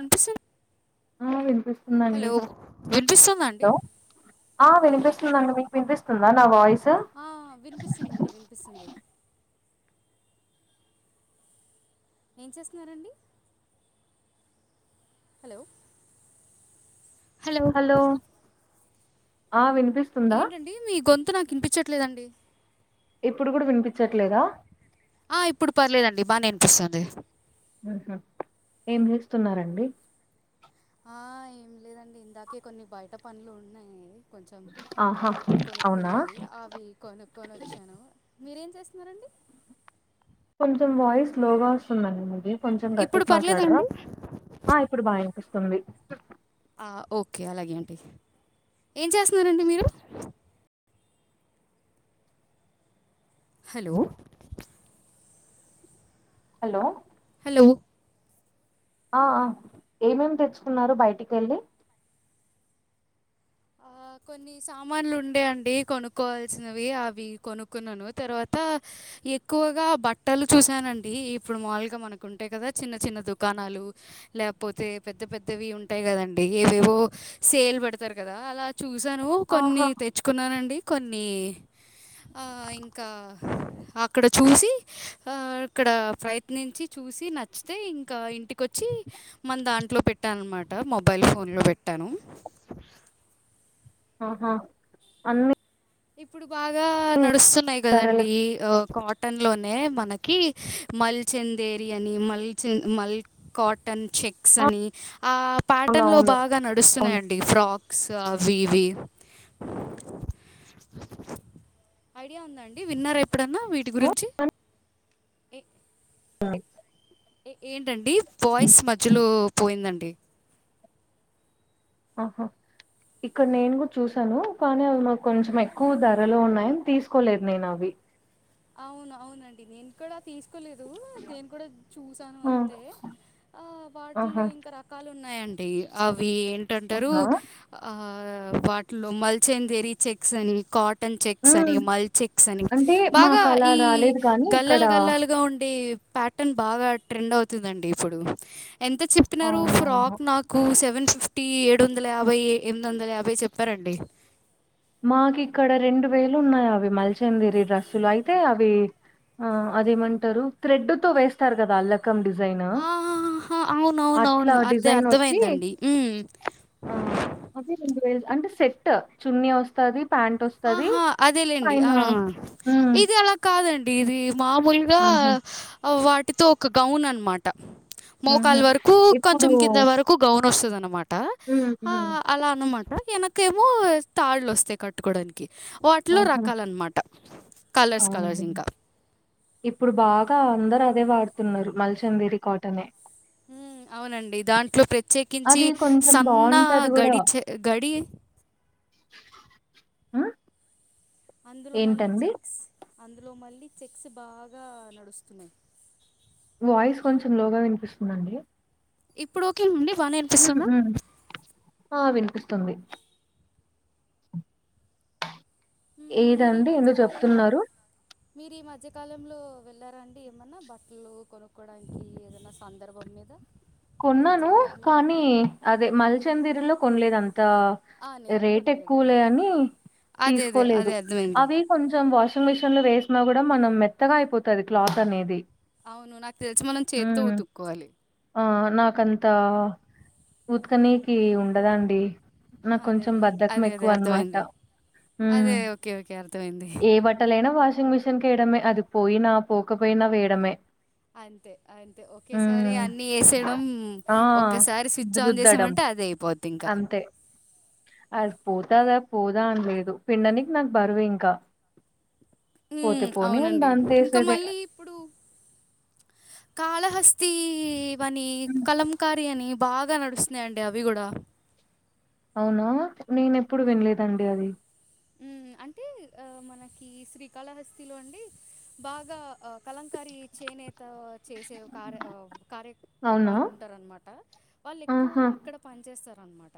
ఇన్పిస్ ఆ వినిపిస్తుందండి వినిపిస్తుందా అండి హలో ఆ హలో వినిపిస్తుందండి వినిపిస్తుందా నా వాయిస్ ఆ వినిపిస్తుందండి వినిపిస్తుంది ఏం చేస్థానారండి హలో హలో ఆ విన్పిస్ ఏంటండి మీ గొంతు నాకు ఇనిపించట్లేదండి ఇప్పుడు కూడా వినిపించట్లేదా ఆ ఇప్పుడు పర్లేదండి బానేవిన్పిస్తుంది ఆహా ఏం చేస్తున్నారండి ఆఏం లేదండి ఇందాకే కొన్ని బయట పనులు ఉన్నాయి కొంచెం ఆ ఆహా బట్టలు అవునా కొనుక్కునేవి అవి కొనుక్కొని వచ్చాను మీరేం చేస్తున్నారండి కొంచెం వాయిస్ స్లోలోగా వస్తుందండి మీది కొంచెం ఇప్పుడు గట్టికి మాట్లాడరా పర్లేదండి ఆ ఇప్పుడు బానిపిస్తుంది ఆ ఓకే అలాగే అండి ఏం చేస్తున్నారండి మీరు హలో హలో హలో ఆ ఆ ఏమేమి తెచ్చుకున్నారు బయటికి వెళ్ళి ఆ కొన్ నీ సామాన్లు ఉండే అండి కొనుక్కవాల్సినవి అవి కొనుక్కున్నాను తర్వాత ఎక్కువగా బట్టలు చూసానండి ఇప్పుడు మాముూలుగా మనకుంటేయి కదా చిన్న చిన్న దుకాణాలు లేకపోతే పెద్ద పెద్దవి ఉంటాయి కదండి ఏవేవో సేల్ పెడతారు కదా అలా చూసాను ఆహా కొన్ని తెచ్చుకున్నానండి కొన్ని ఆ ఇంకా అక్కడ చూసి ఆ ఇక్కడ ప్రయత్నించి చూసి నచ్చితే ఇంకా ఇంటికొచ్చి మన దాంట్లో పెట్టాన అనమాట మొబైల్ ఫోన్ లో పెట్టాను ఆహా అన్ని ఇప్పుడు బాగా నడుస్తున్నాయి్ ధరలు కదండి కట్ టోన్లోనే మనకి మల్చందేరి అని మల్చె మల్ కాటన్ చెక్స్ ఆ! అని ఆ ప్యాటర్న్లో అవునవును బాగా అవును నడుస్తున్నాయండి ఫ్రాక్స్ అవి ఇవి ఐడియా ఉందండి విన్నారా ఎప్పుడన్నా వీటి గురించి ఆ ఏంటాఅండి వాయిస్ మధ్యలో పోయిందండి ఆహా ఇక్కడ నేను కూడా చూసాను కానీ అవి మాకు కొంచెం ఎక్కువ ధరలో ఉన్నాయని తీస్కోలేదు నేను అవి అవును అవునండి నేన్ ఇక్కడ తీస్కోలేదు నేను కూడా చూసాను ఆ అంతే ఆ వాటిలో ఆహా ఇంకార రకాలు ఉన్నాయఅండి అవి ఏంటంటారు అవునా ఆ వాటిలో మాల్చేందేరి చెక్స్ అని కాట్ టల్ చెక్స్ అని హ్మ్. మల్ చెక్స్ అని అంటే బాగా మాకలా ఈ రాలేదు కానీ ఇక్కడ గళ్ళల గళ్ళలు గా ఉండి పెటన్ బాగా ట్రెండ్ అవుతుందండి ఇప్పుడు ఎంత చే ప్పినారు అవునవును. ఫ్రాక్ నాకు సెవెన్ ఫిఫ్టీ ఏడు వందల యాభై, ఎనిమిది వందల యాభై చెప్పారండి. మాకు ఇక్కడ రెండు వేలు ఉన్నాయి అవి మల్చందరి డ్రస్సులు అయితే అవి ఆ అదేమంటారు థ్రెడ్ తు వేస్తారు కదా అల్లకం డిజైన్ ఆహాహా అట్లా అవునవునవును అదే డిజైన్ వచ్చి అర్థమైందండి ఉమ్. ఆ అది రెండు వేలు అంటే సెట్ చున్నీ వస్తది ప్యాంట్ వసు ఆహా అదేలేండి ఆ హ్మ్. ఇది అలా కాదండి ఇది మామూలు గా హుహు. వాటితో ఒక గౌన్ అనమా ట హుహు. మోకాల వరకు ఇప్పుడు కొంచెం కింద వరకు గౌన్ వస్తద అన్నమాట. ఉహు అలా అనమాట వెనకేమో తాళ్ళు వస్తాయి కట్టుకోవడానికి వాటిలో రకాల అన్నమాట అవునండి ఇప్పుడు బాగా అందరు అదే వాడుతున్నారు మల్చందేరి కాటనే మ్ అవునండి దాంట్లో ప్రత్యేకించి అది కొంచెం సన్న బావుంటది గూడా. గడిచ గడి హ్మ్. అందులో మళ్ళీ ఏంటండి? చెక్స్ అందులో మళ్ళీ చెక్స్ బాగా నడుస్తున్నాయి. వాయిస్ కొంచెం లోగా వినిపిస్తుందిండి. ఇప్పుడు ఓకే అండి బానే విని ఆహ ఆ వినిపిస్తుంది మీరు ఈ ఏదండి ఏందో మధ్య కాలంలో చెప్తున్నారు? మీరు ఈ మధ్యకాలంలో వెళ్లారా అండి ఏమన్నా బట్టలు కొనుక్కోడానికి ఏదనా సందర్భం మీద ద కొన్నాను కానీ అదే మల్చనిదీరులో కొనలేదు అంతా ఆ నేను రేట్ కొనలేదు ఎక్కువలే అని అదే అదే అదే తీసుకోలేదు అర్థమైంది అవి కొంచెం వాషింగ్ మిషన్ లో వేసినా కూడా మనం మెత్తగా అయిపోతది క్లాత్ అనేది అవును నాకు తెలిసి మనం చేత్తో హ్మ్. ఉతుక్కోవాలి. ఆ నాకంతా ఉతుకనీకి ఉండదండి నా అదే కొంచెం అదే బద్దకం అదే అదే ఎక్కువ అర్థమైంది అన్నమాట అదే మ్ ఓకే ఓకే అర్థమైంది ఏవ ట్టలైనా వాషింగ్ మిషిన్ కి వేయడమే అది పోయినా, పోకపోయినా వేయడమే. అంతే అంతే ఒకేసారి హ్మ్. అన్ని వేసే డం ఆ! ఒక్కసారి స్విచ్ ఆన్ రుద్దడం చేసామంటే అదే అయిపోద్ధి ఇంకా అంతే. అది పోతదా, పోదా అనిలేదు పిండనికి నాకు బరువు ఇంకా మ్ అవునండి దాంతో ఇంకా ఏసేదే. మళ్ళీ ఇప్పుడు కాళహస్తి వని, హ్మ్. కలంకారి అని బాగా నడుస్తున్నాయండి అవి కూడా అవునా నేను ఎప్పుడు వినలేదండి అది మ్ అంటే ఆ మనకి శ్రీకాళహస్తిలో అండి బాగా అ కలంకారి, చేనేత చేసే కార అవ్ కారే అవునా? వాళ్ళు ఉంటార అనమాట వాళ్ళు ఆహా! ఎక్కువగా అక్కడ పని చేస్తారు అనమాట.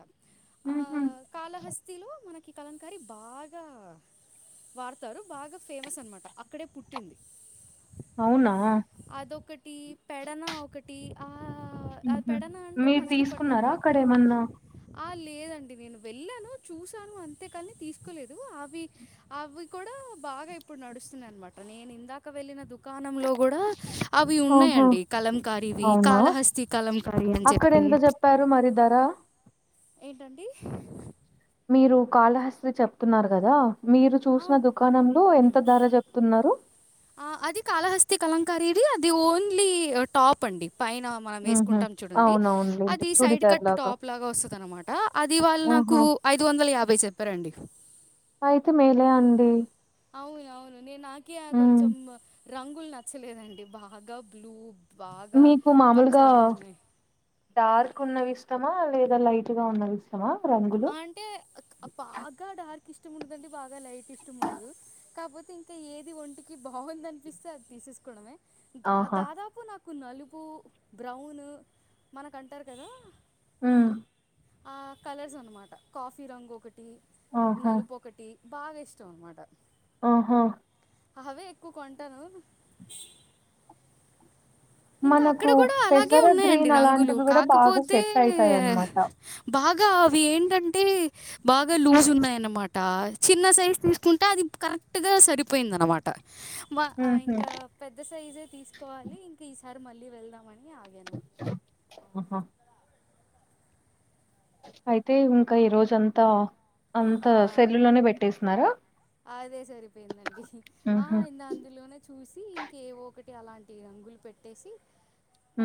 హహ కాలహస్తిలో మనకి కలంకారి బాగ వాడతారు బాగా ఫేమస్ అనమాట అక్కడే పుట్టింది. అవునా అదొకటి పెడన ఒక టి ఆ ఆ హుహు. పెడన అంటే మీరు మచిలీపట్నం తీసుకున్నారా వైపు అండి. అక్కడేమన్నా? ఆ లేదండి నేను వెళ్ళాను చూసాను అంతేకాని తీసు దు అవి అవి కూడా బాగా ఇప్పుడు నడుస్తున్నాయి అనమాట నేను ఇందాక వెళ్ళిన దు దుకాణంలో కూడా అవి ఆహా! ఉన్నాయండి కలంకారి ఇవి అవునా? కాలహస్తి కలంకార అని చెప్పి పారు మరి దరా ఏంటండి మీరు కాళహస్త్రి చెప్తున్నారు కదా మీరు చూసిన అవును దుకాణంలో ఎంత ధర చెప్తున్నారు ఆ అది కాలహస్తి కలంకారది అది ఓన్లీ టాప్ అండి పైన మనం హుహు. వేసుకుంటాం చూడండి అవునవునులెండి. అది సైడ్ కట్ చూడిదార్‌లాగా. టాప్ లాగా వస్తుంద అన్నమాట అది వాళ్ళు నాకు ఆహా! ఐదు వందల యాభై చెప్పారండి అయితే మేలే అండి అవును అవును నేను నాక హ్మ్. కొంచెం రంగులు నచ్చలేదండి బాగా బ్లూ బాగా మీకు మామూలుగా పచ్చరంగు ఉన్నాయి డార్క్ ఉన్నవి ఇష్టమా లేదా లైట్ గా ఉన్నవి ఇష్టమా రంగులు ఆ! అంటే బాగా డార్క్ ఇష్టం ఉండదండి బాగా లైట్ ఇష్టం ఉండదు కాకపోతే ఇంకా ఏది వంటి కి బాగుంది అనిపిస్తే అది తీసేసుకోవడమే ఆహా! దాదాపు నాకు కు నలుపు బ్రౌన్ మనకు అంటారు కదా హ్మ్ ఆ కలర్స్ అనమాట కాఫీ రంగు ఒకటి ఆహా! నలుపు ఒక ఒకటి బాగా ఇష్టం అనమాట ఆహ అవే ఎక్కువ కొంటాను ఇంకా అక్కడ మనకు కూడా అలాగే పెసర ఉన్నాయండి గ్రీన్ రంగులు అలాంటివి గూడా బాగా కాకపోతే సెట్ అయితాయన్నమాట. బాగా అవి ఏంటంటే బాగా లూజ్ ఉన్నాయినమాట చిన్న సైజ్ తీసుకుంటే అది కరెక్ట్ గా సరిపోయింది అనమాట మా హుహు. ఇంకా పెద్ద సైజే తీసుకోవాలి ఇంకా ఈసారి మళ్ళీ వెళ్దామని ఆగాను ఆహా అయితే ఇంకా ఈ రోజ అంతా అంత ఆ, సెల్లులోనే పెట్టేస్తున్నారా అదే సరిపోయిందండి ఆ, అందులోనే చూసి ఇంకేవో ఒకటి అలాంటి రంగులు పెట్టేసి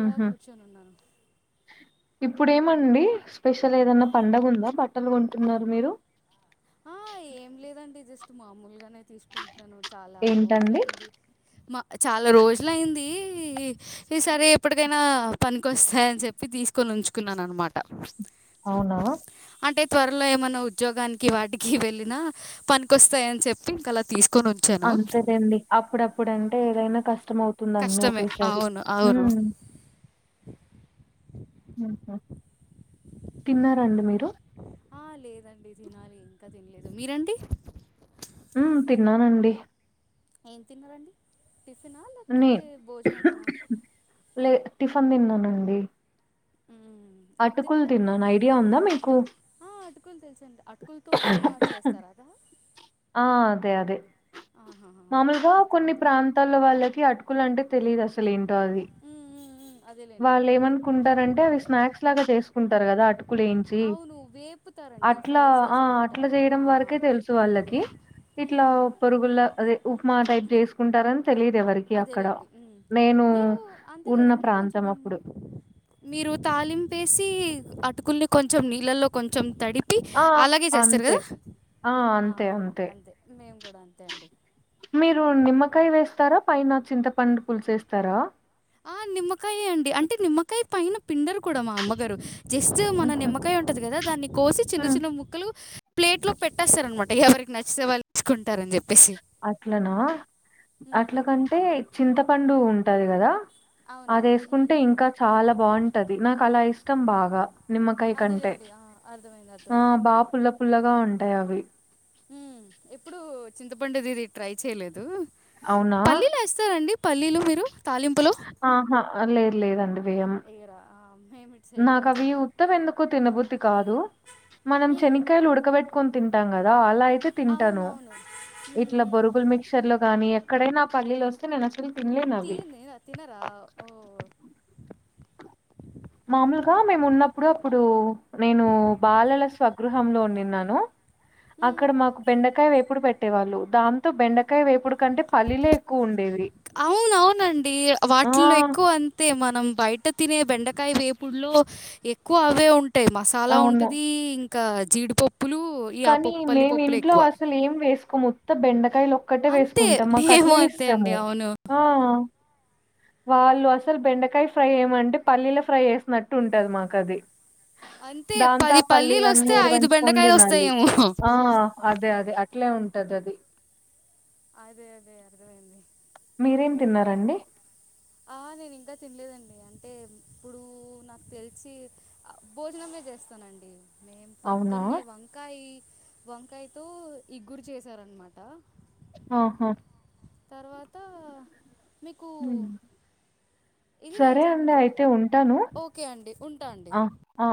అలా కూర్చొని ఉన్నాను ఇప్పుడు ఏమండి స్పెషల్ ఏదన్నా పండగ ఉందా బట్టలు కొంటున్నారు మీరు ఆ ఏం లేదండి జస్ట్ మామూలుగానే తీసుకుంటున్నాను చాలా ఏంటండి? రోజులయింది మా చాలా రోజులయింది ఈ సరే ఎప్పటికైనా పనికొస్తాయి అని చెప్పి తీసుకొని ఉంచుకున్నాను అనమాట అవునా అంటే త్వరలో ఏమన్నా ఉద్యోగానికి వాటికి వెళ్ళిన పనికిస్తాయ అని చెప్పి ఇంకా అలా తీసుకొని ఉంచాను అంతే లెండి అప్పుడప్పుడు అంటే ఏదైనా కష్టం అవుతుంది అన్ని కష్టమే ఒకేసారి అవును అవును తిన్నారండి మీరు ఆ లేదండి తినాలి ఇంకా తినలేదు మీరండి హ్మ్ తిన్నానండి ఏం తిన్నారండి టిఫినా నే లేకపోతే భోజనమేనా లే టిఫిన్ తిన్నానండి హ్మ్ అటుకులు తిన్నాను ఐడియా ఉందా మీకు ఆ అటుకులు తెలుసండి అటుకులతో ఉప్మా చేస్తారు అదా ఆ అదే అదే ఆహాహా మామూలుగా కొన్ని అర్థమైంది ప్రాంత తల్లో వాళ్ళకి అటుకులు అంటే తెలిదు అసలు ఏంటో అది ఉమ్, ఉమ్, ఉమ్, అదేలేండి వాళ్ళు ఉమ్. ఏమనుకుంటారంటే అవి స్నాక్స్ లాగా చేసుకుంటారు కదా అటుకులిని అవును వేపుతారండి అట్లా ఫ్రై ఆ అట్లా చేసుకుంటారు ఆ, చేయడం వరకే తెలుసు వాళ్ళకి ఇట్లా ఉమ్, పొరుగుల్ల అదే ఉప్మా టైప్ చేసుకుంటారని తెలియదు ఎవరికి అక్కడ అదేలేండి నేను మీరు అంతే ఉన్న కదండి కొంచెం ప్రాంతం అప్పుడు మీరు తాలింపేసి అటుకుల్ని కొంచెం నీళ్ళల్లో కొంచెం తడి ప్పి ఆ అలాగే చేస్తారు అంతే కదా ఆ అంతే మేము కూడా అంతే అండి మీరు నిమ్మకాయ వేస్తారా పైన చింతపండు పులుసేస్తారా ఆ నిమ్మకాయే అండి అంటే నిమ్మకాయ పైన పిండరు కూడా మా అమ్మగారు జస్ట్ మన ఉహు నిమ్మకాయ ఉంటది కదా దాన్ని కోసి చిన్న హ్మ్ చిన్న ముక్కలు ప్లేట్ లో పెట్టేస్తారనమాట ఎవరికి నచ్చితే వాళ్ళు తీసుకుంటారని చెప్పేసి అట్లనా అట్లకంటే చింతపండు ఉంటది కదా అది అవునవును. హ్మ్. వేసుకుంటే ఇంకా చాలా బావుంటది నాకు అలా ఇష్టం బాగా నిమ్మకాయ కంటే అదేలెండి. ఆ! అర్థమైంది. ఆ అర్థమైంది. బా పుల్ల పుల్లగా ఉంటాయి అవి ఈ ఎప్పుడు చింతపండుదిది ట్రై చేయలేదు అవునా పల్లీలో ఎస్తారండి పల్లీలు మీరు తాలింపులో ఆహా లేదు లేదండి వేయం మీరా మేమే నాకు అవి ఉత్తవి ఎందుకొ తినబుద్ధి కాదు మనం హ్మ్. శనక్కాయలు ఉడకబెట్టు కొని తింటాం కదా అలా అయితే తింటాను అవునవును. హ్మ్. ఇట్ల హ్మ్. బొరుగు లో మి మిక్షర్ లో కాని ఎక్కడైనా పల్లీలో వస్తే నేను అసలు తినరా ఓ మామూలుగా మేము ఉన్నప్పుడు అప్పుడు నేను బాలల స్వగృహంలో వండిన్నాను హ్మ్. అక్కడ మాకు బెండకాయ వేపుడు పెట్టేవాళ్ళు దాంతో బెండకాయ వేపుడు కంటే పల్లీలే ఎక్కువ ఉండేవి అవున అవునండి వాటిల్లో ఎక్కువ అం అంతే మనం బయట తినే బెండకాయ వేపుడు లో ఎక్కువ అవే ఉంట అంటే మసాలా అవును. ఉంటది ఇంకా జీడిపప్పు కానీ మేము ఇంట్లో అసలు ఏం వేసుకోము ఉత్త బెండకాయలోక అంతే మేము అంతే అండి అవును ఆ! వాళ్ళు అసలు బెండకాయ ఫ్రై వేయమంటే పల్లీల ఫ్రై వేసినట్టు ఉంటది మాకు అది అంతే దాంతో ఆ పల్లీలన్నీ నిర్వంచుకొని తినాలి ఓహొ ఆ అదే అదే అట్లే ఉంటది అది అదే అదే అర్థమైంది మీరేం తిన్నారండి ఆరెంజ్ ఇంకా తినలేదండి అంటే ఇప్పుడు నాకు తెలిసి భోజనమే చేస్తానండి మేం అవునా? పొద్దున్నే వంకాయి వంకాయతో ఇగురు చేసారనమాట ఆహా తర్వాత మీకు హ్మ్. ఇది సరే తెలుసా అండి అయితే ఉంటాను ఓకే అండి. ఉంటా అండి. ఆ